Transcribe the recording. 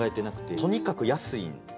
とにかく安いんですよ。